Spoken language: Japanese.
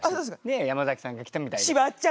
山崎さんが来たみたいで。